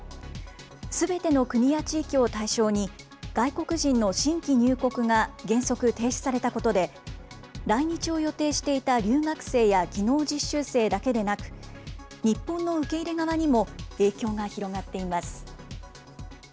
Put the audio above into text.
すべての国や地域を対象に、外国人の新規入国が原則停止されたことで、来日を予定していた留学生や技能実習生だけでなく、日本の受け入れ側にも影響が広がっています。